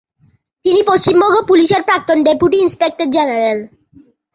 তিনি পশ্চিমবঙ্গ পুলিশের প্রাক্তন ডেপুটি ইনস্পেক্টর জেনারেল।